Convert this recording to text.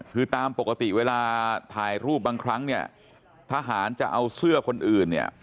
คือตามปกติเวลาถ่ายรูปบางครั้งทหารจะเอาเสื้อคนอื่น